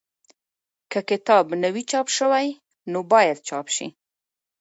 که کتاب نه وي چاپ شوی نو باید چاپ شي.